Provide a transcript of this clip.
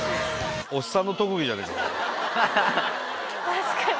確かに。